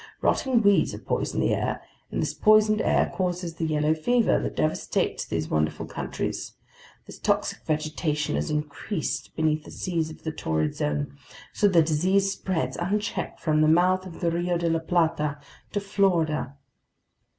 Rotting weeds have poisoned the air, and this poisoned air causes the yellow fever that devastates these wonderful countries. This toxic vegetation has increased beneath the seas of the Torrid Zone, so the disease spreads unchecked from the mouth of the Rio de la Plata to Florida!"